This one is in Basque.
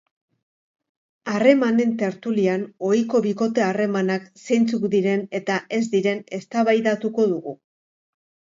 Harremanen tertulian ohiko bikote harremanak zeintzuk diren eta ez diren eztabaidatuko dugu.